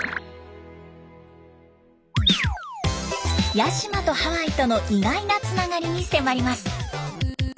八島とハワイとの意外なつながりに迫ります。